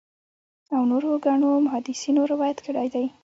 او نورو ګڼو محدِّثينو روايت کړی دی